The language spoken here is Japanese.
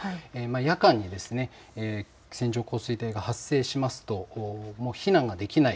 夜間にですね線状降水帯が発生しますと避難ができない。